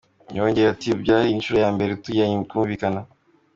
Yongeyeho ati “Byari inshuro ya mbere tugiranye kutumvikana.